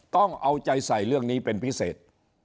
ต้องเอาใจใส่เรื่องนี้เป็นพิเศษ